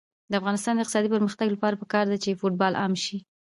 د افغانستان د اقتصادي پرمختګ لپاره پکار ده چې فوټبال عام شي.